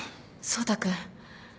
走太君